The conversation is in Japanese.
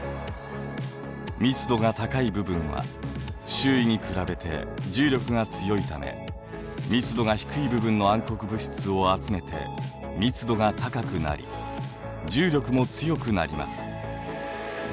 密度が高い部分は周囲に比べて重力が強いため密度が低い部分の暗黒物質を集めて密度が高くなり重力も強くなります。